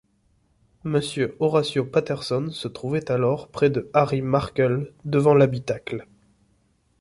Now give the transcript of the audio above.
Monsieur Horatio Patterson se trouvait alors près de Harry Markel devant l’habitacle.